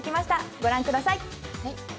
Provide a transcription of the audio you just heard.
御覧ください。